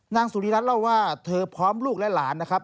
นางสุริรัตนเล่าว่าเธอพร้อมลูกและหลานนะครับ